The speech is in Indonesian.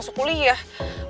masuk kuliah dulu